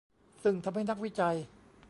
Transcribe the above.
ซึ่งทำให้นักวิจัย